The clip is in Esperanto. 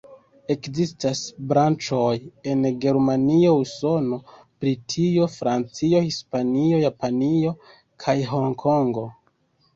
Ekzistas branĉoj en Germanio, Usono, Britio, Francio, Hispanio, Japanio kaj Honkongo.